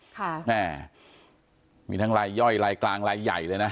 ค่ะแม่มีทั้งลายย่อยลายกลางลายใหญ่เลยนะ